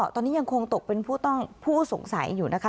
ตอนนี้ยังคงตกเป็นผู้ต้องผู้สงสัยอยู่นะคะ